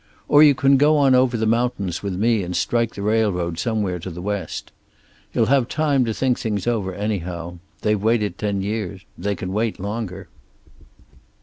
Or you can go on over the mountains with me and strike the railroad somewhere to the West. You'll have time to think things over, anyhow. They've waited ten years. They can wait longer."